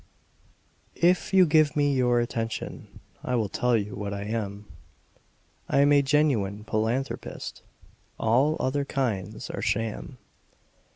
If you give me your attention, I will tell you what I am: I'm a genuine philanthropist all other kinds are sham.